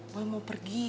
boy mau pergi